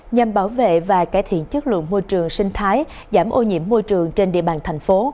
nhằm bảo vệ và cải thiện chất lượng môi trường sinh thái giảm ô nhiễm môi trường trên địa bàn thành phố